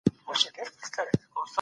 افراط او تفریط بد دی.